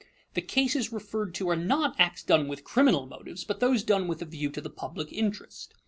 _ The cases referred to are not acts done with criminal motives, but those done with a view to the public interest.